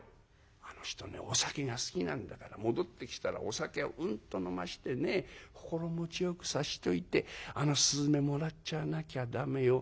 「あの人ねお酒が好きなんだから戻ってきたらお酒をうんと飲ましてね心持ちよくさしといてあの雀もらっちゃわなきゃ駄目よ」。